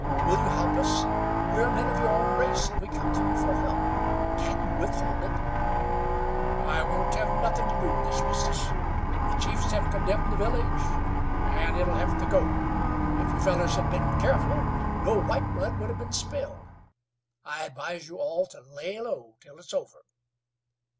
Will you help us? We are men of your own race, and we come to you for help. Can you withhold it?" "I won't hev nuthin' to do with this bizness. The chiefs hev condemned the village, an' it'll hev to go. If you fellars hed been careful, no white blood would hev been spilled. I advise you all to lay low till it's over."